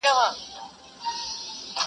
ممتاز به نوري کومي نخښي د تیرا راوړلې,